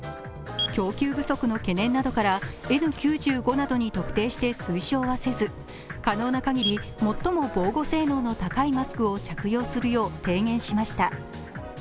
供給不足の懸念などからＮ９５などに特定して推奨はせず、可能なかぎり最も防護性能の高いマスクを着用するよう提言しました。